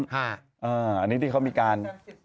อันนี้ที่เขามีการ